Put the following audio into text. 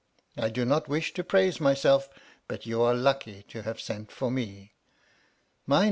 I do all three. not wish to praise myself, but you are lucky to have sent for me. My.